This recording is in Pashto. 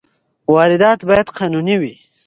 واردات باید قانوني وي.